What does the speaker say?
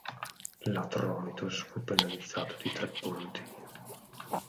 L'Atromitos fu penalizzato di tre punti.